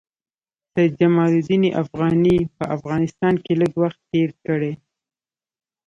سید جمال الدین افغاني په افغانستان کې لږ وخت تېر کړی.